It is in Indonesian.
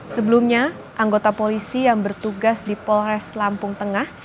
sebelumnya anggota polisi yang bertugas di polres lampung tengah